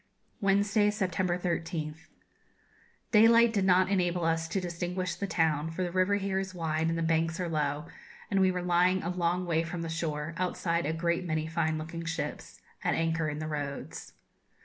Wednesday, September 13th. Daylight did not enable us to distinguish the town, for the river here is wide and the banks are low, and we were lying a long way from the shore, outside a great many fine looking ships, at anchor in the roads.